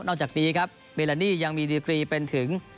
นอกจากนี้เมลานียังมีดีกรีย์เป็นถึง